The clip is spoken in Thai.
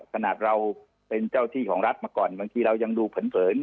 ขนาดเราเป็นเจ้าที่ของรัฐมาก่อนบางทีเรายังดูเผิน